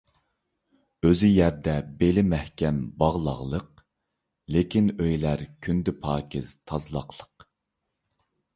ئۆزى يەردە بېلى مەھكەم باغلاغلىق، لېكىن ئۆيلەر كۈندە پاكىز تازىلاقلىق.